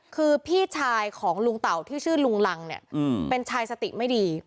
คือพี่ชายของลุงเต่าที่ชื่อลุงรังเนี่ยเป็นชายสติไม่ดี